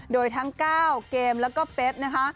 โดยทั้งก้าวเกมแล้วก็เป๊บ